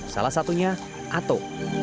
salah satunya ato